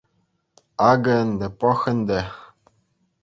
Акӑ ӗнтӗ, пӑх ӗнтӗ.